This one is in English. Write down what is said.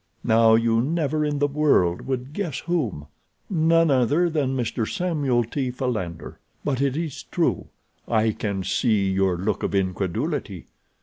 Now you never in the world would guess whom. None other than Mr. Samuel T. Philander. But it is true. I can see your look of incredulity.